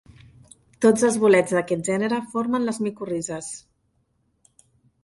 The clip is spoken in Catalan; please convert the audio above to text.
Tots els bolets d'aquest gènere formen les micorrizes.